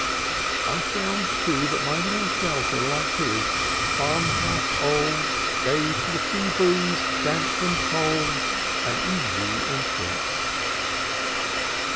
I found, too, that my little shelter, like his "farmhouse old ... gave to the sea breeze, damp and cold, an easy en trance."